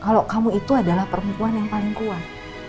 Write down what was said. kalau kamu itu adalah perempuan yang paling kuat